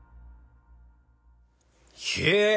へえ！